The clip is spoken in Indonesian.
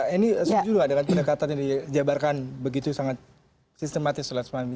ini setuju dengan pendekatan yang dijabarkan begitu sangat sistematis